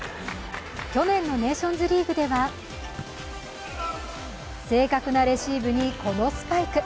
去年のネーションズリーグでは正確なレシーブにこのスパイク。